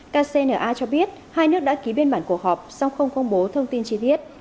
kcna cho biết hai nước đã ký biên bản cuộc họp sau không công bố thông tin chi tiết